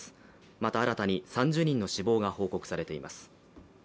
また、新たに３０人の死亡が報告されています。